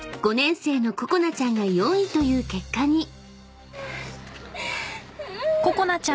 ［５年生のここなちゃんが４位という結果に］